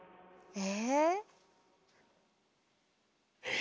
え？